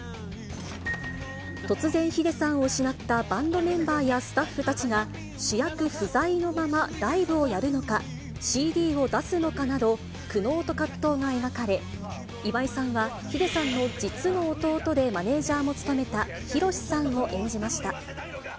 突然、ｈｉｄｅさんを失ったバンドメンバーやスタッフたちが、主役不在のままライブをやるのか、ＣＤを出すのかなど、苦悩と葛藤が描かれ、今井さんは、ｈｉｄｅさんの実の弟でマネージャーも務めた裕士さんを演じました。